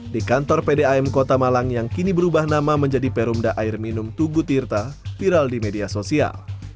di kantor pdam kota malang yang kini berubah nama menjadi perumda air minum tugu tirta viral di media sosial